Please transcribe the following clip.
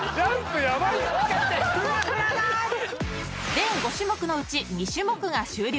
［全５種目のうち２種目が終了］